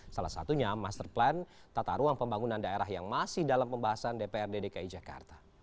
salah satunya master plan tata ruang pembangunan daerah yang masih dalam pembahasan dprd dki jakarta